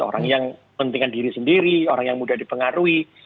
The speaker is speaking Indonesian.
orang yang pentingkan diri sendiri orang yang mudah dipengaruhi